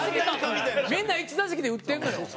みんな１打席で打ってるのよ。